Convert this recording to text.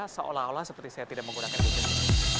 seolah olah seperti saya tidak menggunakan gadget ini